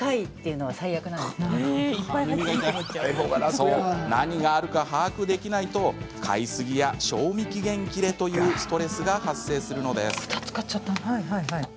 そう、何があるか把握できないと買いすぎや賞味期限切れというストレスが発生するのです。